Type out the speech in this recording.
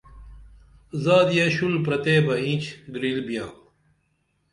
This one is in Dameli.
زادیہ شُل پرَتے بہ اینچ گِرِیل بیاں